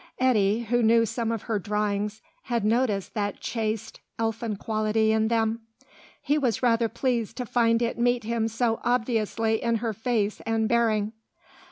Eddy, who knew some of her drawings, had noted that chaste, elfin quality in them; he was rather pleased to find it meet him so obviously in her face and bearing.